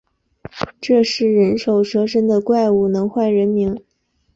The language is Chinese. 这是人首蛇身的怪物，能唤人名